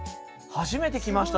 初めて来ました